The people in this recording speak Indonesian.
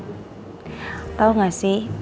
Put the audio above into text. tapi tau gak sih